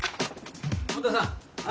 本田さん